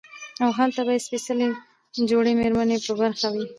او هلته به ئې سپېڅلې جوړې ميرمنې په برخه وي